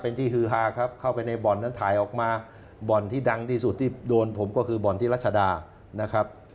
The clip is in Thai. เป็นที่ฮือฮาครับเข้าไปในบ่อนนั้นถ่ายออกมาบ่อนที่ดังที่สุดที่โดนผมก็คือบ่อนที่รัชดานะครับ